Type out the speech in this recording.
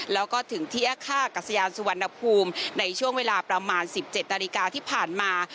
แล้วก็ถึงที่ท่ากัศยานสุวรรณภูมิในช่วงเวลาประมาณ๑๗นาฬิกาที่ผ่านมา